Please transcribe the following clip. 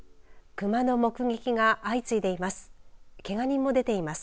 熊の目撃が相次いでいます。